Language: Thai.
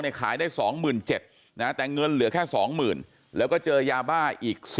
ขายได้๒๗๐๐นะแต่เงินเหลือแค่๒๐๐๐แล้วก็เจอยาบ้าอีก